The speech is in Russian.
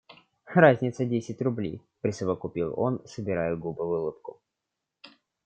Разница десять рублей, — присовокупил он, собирая губы в улыбку.